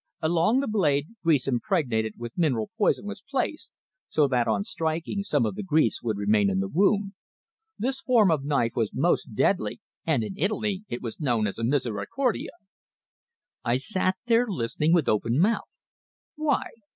Along the blade, grease impregnated with mineral poison was placed, so that, on striking, some of the grease would remain in the wound. This form of knife was most deadly, and in Italy it was known as a misericordia." I sat there listening with open mouth. Why?